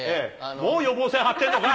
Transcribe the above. もう予防線張ってんのかい。